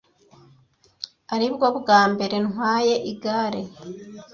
aribwo bwa mbere ntwaye igare.